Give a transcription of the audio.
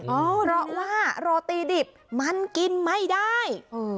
เพราะว่าโรตีดิบมันกินไม่ได้